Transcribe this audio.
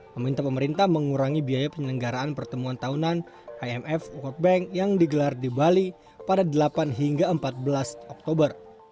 meminta pemerintah mengurangi biaya penyelenggaraan pertemuan tahunan imf world bank yang digelar di bali pada delapan hingga empat belas oktober